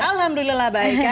alhamdulillah baik ya